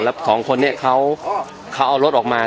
แล้วสองคนนี้เขาเอารถออกมา